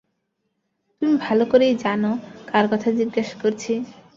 তুমি ভালো করেই জান, কার কথা জিজ্ঞাস করেছি।